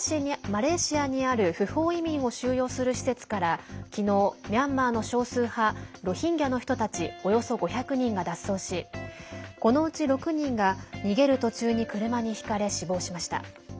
マレーシアにある不法移民を収容する施設からきのう、ミャンマーの少数派ロヒンギャの人たちおよそ５００人が脱走しこのうち６人が逃げる途中に車にひかれ死亡しました。